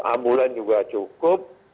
ambulan juga cukup